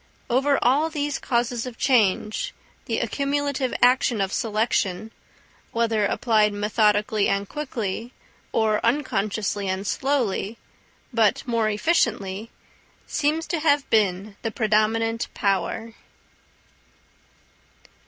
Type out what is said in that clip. Over all these causes of change, the accumulative action of selection, whether applied methodically and quickly, or unconsciously and slowly, but more efficiently, seems to have been the predominant power.